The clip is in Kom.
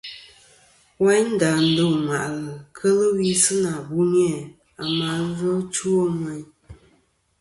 Wayndà dô ŋwàʼlɨ keli wi si na buni a ma ɨlvɨ ɨ chow meyn.